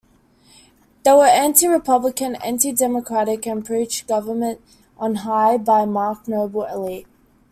They were anti-Republican, anti-democratic, and preached "Government on High", by a marked noble elite.